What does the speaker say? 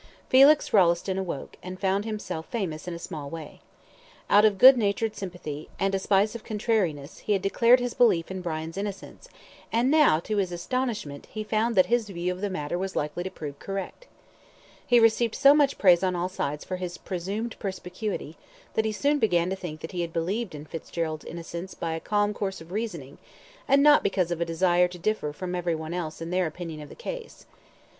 Felix Rolleston awoke, and found himself famous in a small way. Out of good natured sympathy, and a spice of contrariness, he had declared his belief in Brian's innocence, and now, to his astonishment, he found that his view of the matter was likely to prove correct. He received so much praise on all sides for his presumed perspicuity, that he soon began to think that he had believed in Fitzgerald's innocence by a calm course of reasoning, and not because of a desire to differ from every one else in their opinion of the case.